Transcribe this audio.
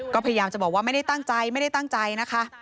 ก็พยายามจะบอกว่าไม่ได้ตั้งใจไม่ได้ตั้งใจนะคะ